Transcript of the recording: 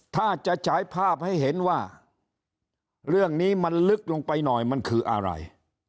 ถ้าจะฉายภาพให้เห็นว่าเรื่องนี้มันลึกลงไปหน่อยมันคืออะไร